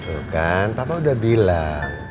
oh kan papa udah bilang